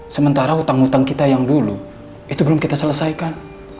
sementara utang utang kita yang dulu itu belum kita selesaikan